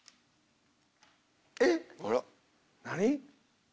えっ？何？